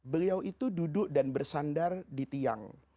beliau itu duduk dan bersandar di tiang